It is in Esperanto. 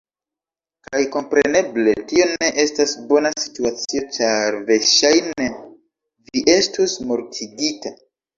Kaj kompreneble, tio ne estas bona situacio, ĉar verŝajne, vi estus mortigita.